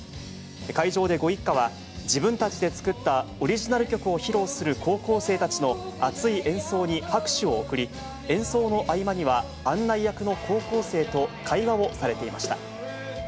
会場でご一家は、自分たちで作ったオリジナル曲を披露する高校生たちの熱い演奏に拍手を送り、演奏の合間には、案内役の高校生と会話をされていました。